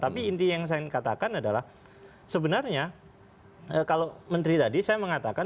tapi intinya yang saya ingin katakan adalah sebenarnya kalau menteri tadi saya mengatakan